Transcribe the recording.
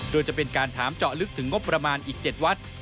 โดยจะเป็นการถามเจาะลึกถึงงบประมาณอีก๗วัด